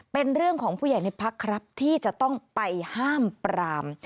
เป็นเรื่องของผู้ใหญ่ในพักครับที่จะต้องไปห้ามปราม